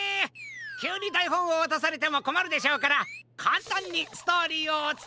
きゅうにだいほんをわたされてもこまるでしょうからかんたんにストーリーをおつたえします。